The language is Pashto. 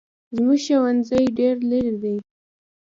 زموږ ښوونځی ډېر لري دی